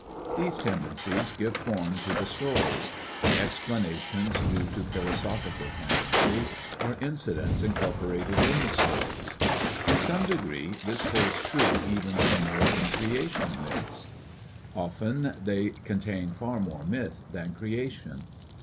These tendencies give form to the stories; the explanations due to philosophical tendency are incidents incorporated in the stories. In some degree this holds true even of American creation myths. Often they contain far more myth than creation